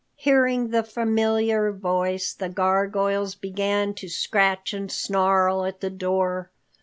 Hearing the familiar voice, the gargoyles began to scratch and snarl at the door.